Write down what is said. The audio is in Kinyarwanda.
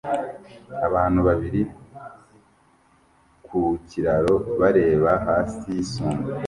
Abantu babiri ku kiraro bareba hasi yisumo